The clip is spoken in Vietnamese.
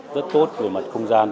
rất tốt về mặt không gian